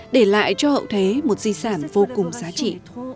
để lại cho hậu thế một di sản vô cùng giá trị